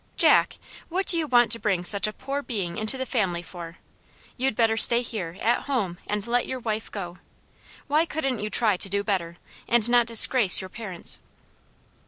"Jack! what do you want to bring such a poor being into the family, for? You'd better stay here, at home, and let your wife go. Why couldn't you try to do better, and not disgrace your parents?"